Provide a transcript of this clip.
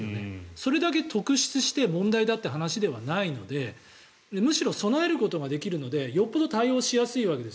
それだけ突出して問題だというわけではないのでむしろ備えることができるのでよほど対応しやすいわけです